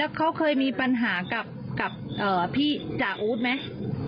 เขาเคยมีปัญหากับพี่จ่าอู๊ดไหม